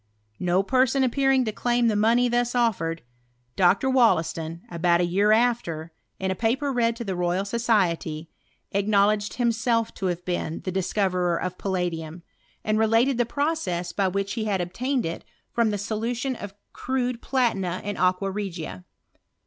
No person appearing to claim the money thus offered, Dr. WoUaston, about a year after, in a paper read to the Royal Society, acknowledged himself to have been the discoverer of palladium, and related the process by which he had obtained it PROGRESS OF ANALYTICAL CHEMISTRY. 217 from the solution of crude platina in aqua regia.